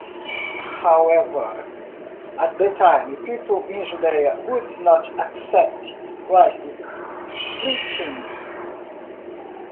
However, at that time, people in Judea would not accept Christ's preaching.